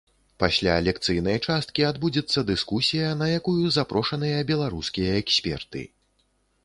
Пасля лекцыйнай часткі адбудзецца дыскусія, на якую запрошаныя беларускія эксперты.